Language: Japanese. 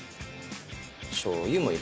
しょうゆも入れると。